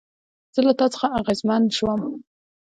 زه له تا څخه اغېزمن شوم